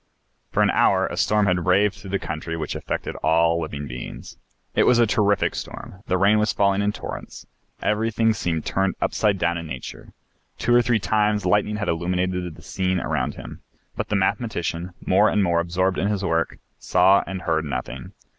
For an hour a storm had raved through the country which affected all living beings. It was a terrific storm, the rain was falling in torrents, everything seemed turned upside down in nature. Two or three times lightning had illuminated the scene around him. But the mathematician, more and more absorbed in his work, saw and heard nothing.